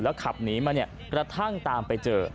ขับหนีมาเนี่ยกระทั่งตามไปเจอ